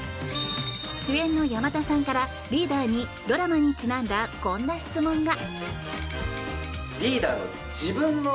主演の山田さんからリーダーにドラマにちなんだこんな質問が。